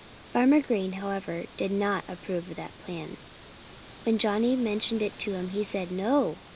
Farmer Green, however, did not approve of that plan. When Johnnie mentioned it to him he said "No!"